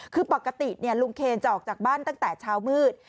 คือปกติลุงเคนจะออกจากบ้านตั้งแต่เช้ามืด